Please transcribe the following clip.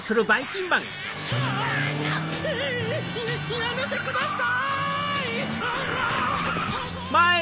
ひぃやめてください！